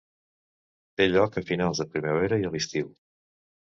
Té lloc a finals de primavera i a l'estiu.